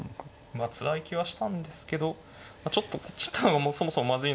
まあつらい気はしたんですけどちょっとこっち行ったのがそもそもまずいので。